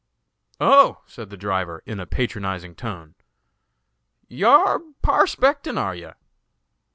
"Oh!" said the driver, in a patronizing tone, "yar parspectin', are yar?"